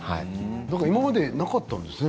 今までなかったんですね。